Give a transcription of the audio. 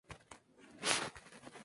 La sede del condado es David City.